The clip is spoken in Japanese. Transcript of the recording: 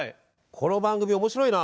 この番組面白いな！